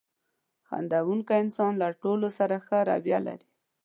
• خندېدونکی انسان له ټولو سره ښه رویه لري.